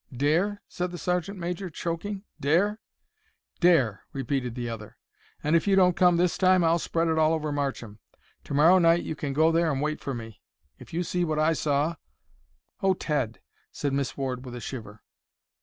"Dare?" said the sergeant major, choking. "Dare?" "Dare," repeated the other; "and if you don't come this time I'll spread it all over Marcham. To morrow night you can go there and wait for me. If you see what I saw—" "Oh, Ted!" said Miss Ward, with a shiver.